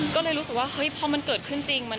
ก็เลยรู้สึกว่าเฮ้ยพอมันเกิดขึ้นจริง